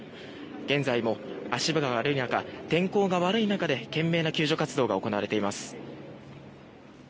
現在も足場が悪い中天候が悪い中で懸命な救助活動が行われています。